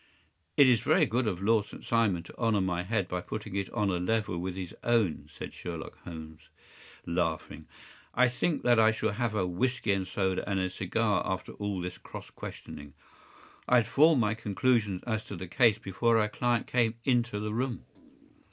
“It is very good of Lord St. Simon to honor my head by putting it on a level with his own,” said Sherlock Holmes, laughing. “I think that I shall have a whiskey and soda and a cigar after all this cross questioning. I had formed my conclusions as to the case before our client came into the room.